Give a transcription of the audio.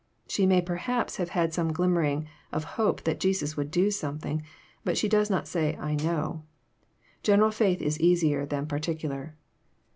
She may perhaps have had some glimmering of hope that Jesus would do something, but she does not say, I know." General fkith Is easier than particular.